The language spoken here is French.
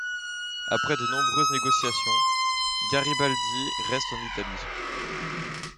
Après de nombreuses négociations, Garibaldi reste en Italie.